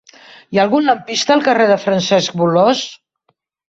Hi ha algun lampista al carrer de Francesc Bolòs?